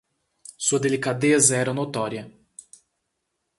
Sua delicadeza era notória